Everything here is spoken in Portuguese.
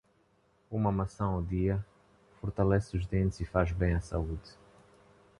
Uma maçã ao dia, fortalece os dentes e faz bem a saúde.